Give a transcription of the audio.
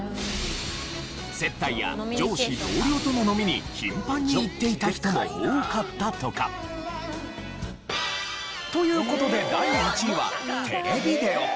接待や上司同僚との飲みに頻繁に行っていた人も多かったとか。という事で第１位はテレビデオ。